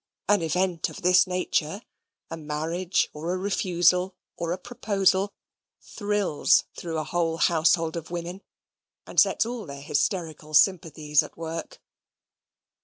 An event of this nature, a marriage, or a refusal, or a proposal, thrills through a whole household of women, and sets all their hysterical sympathies at work.